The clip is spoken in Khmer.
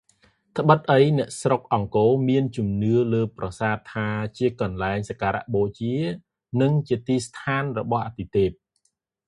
ដ្បិតអីអ្នកស្រុកអង្គរមានជំនឿលើប្រាសាទថាជាកន្លែងសក្ការៈបូជានិងជាទីស្ថានរបស់អាទិទេព។